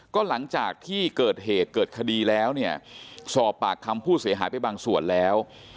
ก็หลังจากที่เกิดเหตุเกิดคดีแล้วเนี่ยสอบปากคำผู้เสียหายไปบางส่วนแล้ว